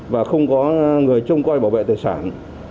và không có người trông coi bảo vệ tài sản